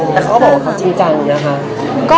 แต่เขาบอกว่าเขาจริงจังเนี่ยค่ะ